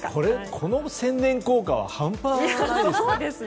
この宣伝効果は半端ないですよね。